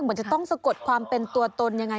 เหมือนจะต้องสะกดความเป็นตัวตนยังไง